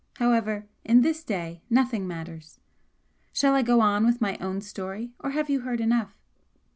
However in this day nothing matters! Shall I go on with my own story, or have you heard enough?"